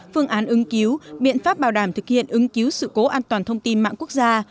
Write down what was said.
phương án ứng cứu biện pháp bảo đảm thực hiện ứng cứu sự cố an toàn thông tin mạng quốc gia